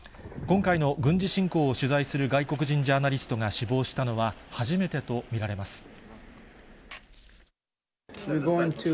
今回の軍事侵攻を取材する外国人ジャーナリストが死亡したのは初めてと見られます。